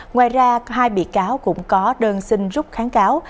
ngoài ra hai bị cáo cũng có đơn xin rút kháng cáo